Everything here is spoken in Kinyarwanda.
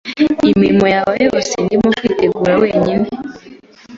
Imirimo yabo yose Ndimo kwitegura wenyine